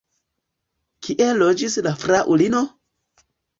Kie loĝis la fraŭlino?